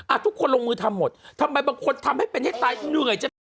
อ่ะทุกคนลงมือทำหมดทำไมบางคนทำให้เป็นให้ตายนี่ไงจะ